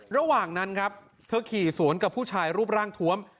ระหว่างนั้นครับเธอขี่สวนกับผู้ชายรูปร่างทวม